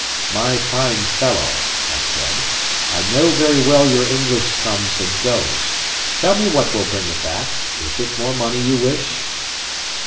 "My fine fellow," I said, "I know very well your English comes and goes. Tell me what will bring it back? Is it more money you wish?"